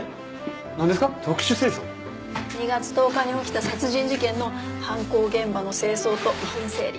２月１０日に起きた殺人事件の犯行現場の清掃と遺品整理。